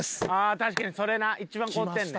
確かにそれな一番凍ってんねん。